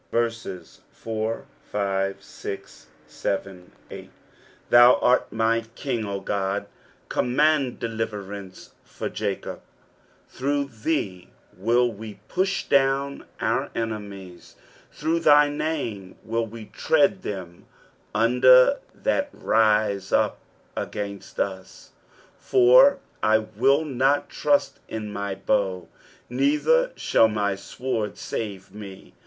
4 Thou art my King, O God : command deliverances for Jacob, 5 Through thee will we push down our enemies : through thy name will we tread them under that rise up against us, 6 For I will not trust in my bow, neither shall my sword save me.